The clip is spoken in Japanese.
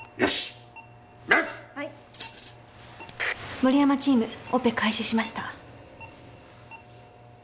森山チームオペ開始しました。